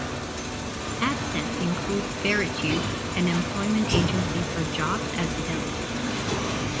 Assets include Veritude, an employment agency for jobs at Fidelity.